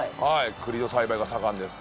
栗の栽培が盛んです